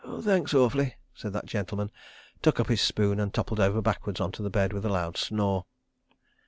"Thanks awf'ly," said that gentleman, took up his spoon, and toppled over backwards on to the bed with a loud snore.